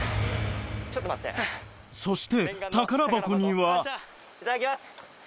そして宝箱にはいただきます。